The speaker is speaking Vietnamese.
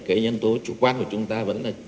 cái nhân tố chủ quan của chúng ta